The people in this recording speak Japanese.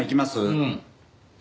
うん。